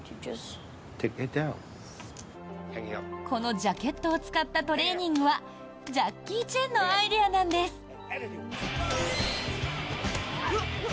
このジャケットを使ったトレーニングはジャッキー・チェンのアイデアなんです。